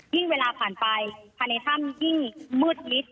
เวลาผ่านไปภายในถ้ำยิ่งมืดมิด